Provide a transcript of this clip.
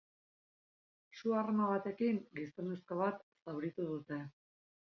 Su-arma batekin gizonezko bat zauritu dute.